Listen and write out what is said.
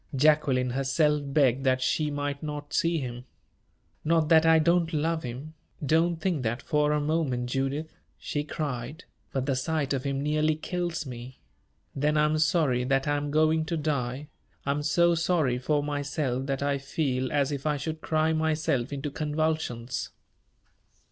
Jacqueline herself begged that she might not see him. "Not that I don't love him don't think that for a moment, Judith!" she cried; "but the sight of him nearly kills me. Then I am sorry that I am going to die I am so sorry for myself that I feel as if I should cry myself into convulsions."